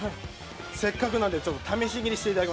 せっかくなんで試し切りしてください。